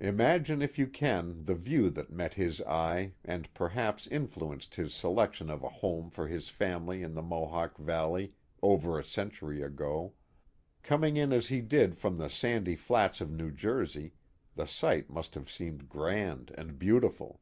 Imagine if you can the view that met hh eye and perhaps influenced his selection of a home for his family in the Mohawk Valley over a century ago. Coming as he did from the sandy flats of New Jersey, the sight must have seemed grand and beautiful.